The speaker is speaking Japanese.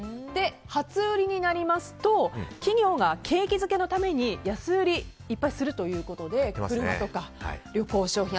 初売りになりますと企業が景気づけのために安売りいっぱいするということで車とか旅行商品